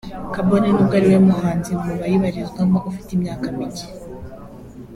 kabone n’ubwo ari we muhanzi mu bayibarizwamo ufite imyaka mike